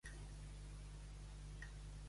De quins temes ha publicat textos d'història local?